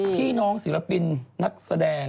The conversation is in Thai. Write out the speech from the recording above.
พี่น้องศิลปินนักแสดง